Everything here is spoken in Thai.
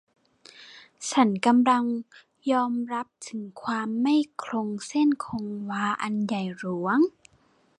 ฉันกำลังยอมรับถึงความไม่คงเส้นคงวาอันใหญ่หลวง